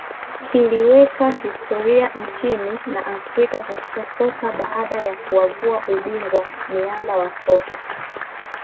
kiliweka historia nchini na Afrika katika soka baada ya kuwavua ubingwa miamba wa soka